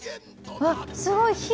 あっすごい。